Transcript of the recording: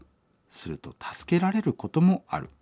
すると助けられることもある。